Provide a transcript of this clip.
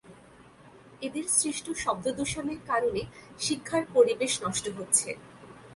এদের সৃষ্ট শব্দদূষণের কারণে শিক্ষার পরিবেশ নষ্ট হচ্ছে।